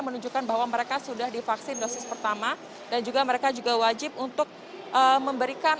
menunjukkan bahwa mereka sudah divaksin dosis pertama dan juga mereka juga wajib untuk memberikan